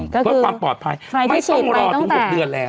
เพื่อความปลอดภัยไม่ต้องรอถึง๖เดือนแล้ว